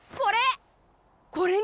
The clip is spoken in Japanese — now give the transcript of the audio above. これ！